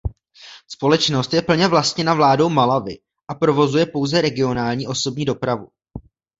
Společnost je plně vlastněna vládou Malawi a provozuje pouze regionální osobní dopravu.